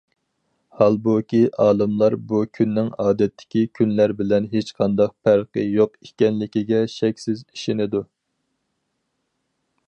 ھالبۇكى، ئالىملار بۇ كۈننىڭ ئادەتتىكى كۈنلەر بىلەن ھېچقانداق پەرقى يوق ئىكەنلىكىگە شەكسىز ئىشىنىدۇ.